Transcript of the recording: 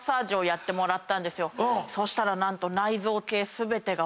そしたら何と。